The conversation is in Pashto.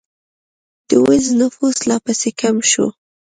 د وینز نفوس لا پسې کم شو